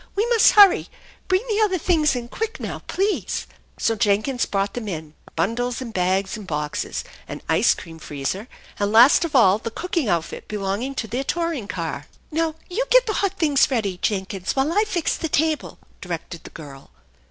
We must hurry! Bring the other things in quick now, please." So Jenkins brought them in, bundles and bags and boxes, an ice cream freezer, and last of all the cooking outfit belong ing to their touring car. " Now you get the hot things ready, Jenkins, while I fix tiie table/' directed the girl.